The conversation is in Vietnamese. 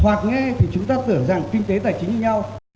hoặc nghe thì chúng ta tưởng rằng kinh tế tài chính với nhau